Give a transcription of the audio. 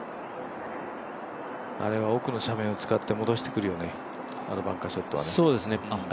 あれは奥の斜面を使って戻してくるよね、あのバンカーショットはね